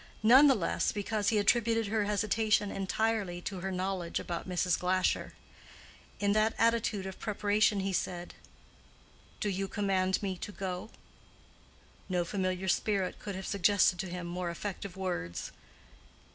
None the less because he attributed her hesitation entirely to her knowledge about Mrs. Glasher. In that attitude of preparation, he said, "Do you command me to go?" No familiar spirit could have suggested to him more effective words.